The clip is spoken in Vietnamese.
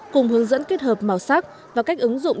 cùng hướng dẫn kết hợp màu sắc và cách ứng dụng